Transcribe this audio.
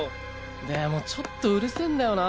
でもちょっとうるせぇんだよな。